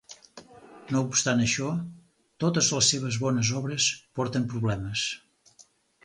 No obstant això, totes les seves bones obres porten problemes.